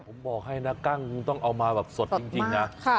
ผมบอกให้นะกั้งต้องเอามาแบบสดจริงนะ